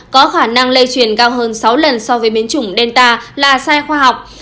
có khả năng lây truyền cao hơn sáu lần so với biến chủng delta là sai khoa học